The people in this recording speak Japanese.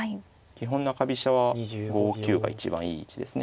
基本中飛車は５九が一番いい位置ですね。